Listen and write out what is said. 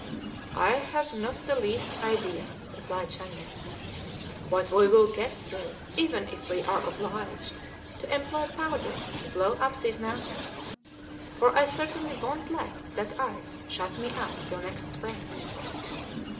"I have not the least idea," replied Shandon; "but we will get through, even if we are obliged to employ powder to blow up those mountains, for I certainly won't let that ice shut me up till next spring."